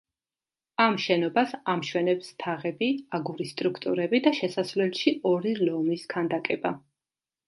ამ შენობას ამშვენებს თაღები, აგურის სტრუქტურები და შესასვლელში ორი ლომის ქანდაკება.